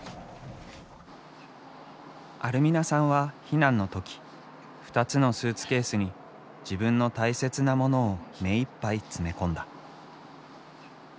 アルミナさんは避難の時２つのスーツケースに自分の大切なモノを目いっぱい詰め込んだ。